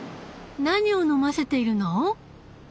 何を飲ませているの？